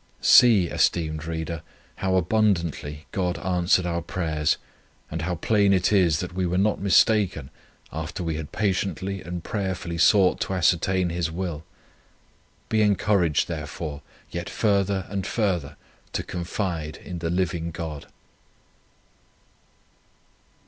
See, esteemed Reader, how abundantly God answered our prayers, and how plain it is, that we were not mistaken, after we had patiently and prayerfully sought to ascertain His will. Be encouraged, therefore, yet further and further to confide in the Living God."